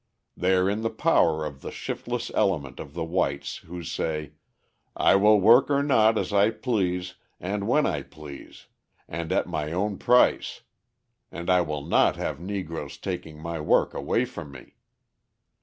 They are in the power of the shiftless element of the whites, who say, 'I will work or not, as I please, and when I please, and at my own price; and I will not have Negroes taking my work away from me.'